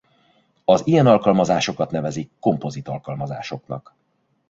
Az ilyen alkalmazásokat nevezik kompozit alkalmazásoknak.